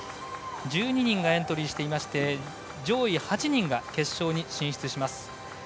１２人がエントリーしていまして上位８人が決勝に進出します。